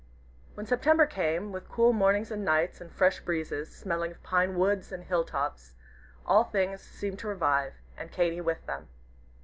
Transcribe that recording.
When September came, with cool mornings and nights, and fresh breezes, smelling of pine woods, and hill tops, all things seemed to revive, and Katy with them.